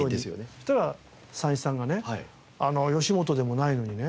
そしたら三枝さんがね吉本でもないのにね